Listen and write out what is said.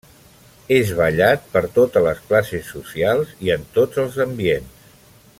És ballat per totes les classes socials i en tots els ambients.